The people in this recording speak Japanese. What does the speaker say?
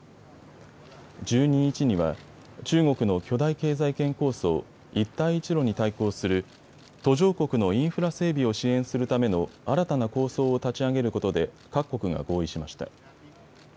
１２日には中国の巨大経済圏構想、一帯一路に対抗する途上国のインフラ整備を支援するための新たな構想を立ち上げることで各国が合意しました。